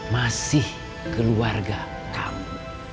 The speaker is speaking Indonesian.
masih keluarga kamu